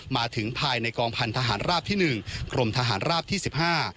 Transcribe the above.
มาถึงภายในกองพันธหารราบที่หนึ่งกรมทหารราบที่สิบห้า